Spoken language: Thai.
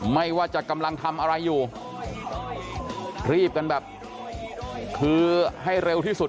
ไม่ว่าจะกำลังทำอะไรอยู่รีบกันแบบคือให้เร็วที่สุด